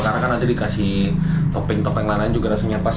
karena kan nanti dikasih topeng topeng lainnya juga rasanya pas